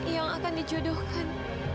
yang akan dijodohkan